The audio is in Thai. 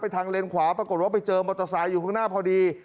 ทางเลนขวาปรากฏว่าไปเจอมอเตอร์ไซค์อยู่ข้างหน้าพอดี